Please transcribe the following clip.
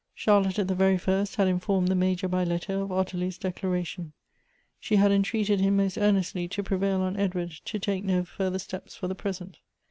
296 Goethe's Charlotte, at the very first, had informed the Major by letter of Ottilia's declaration. She had entreated him most earnestly to prevail on Edward to take no further steps for the present.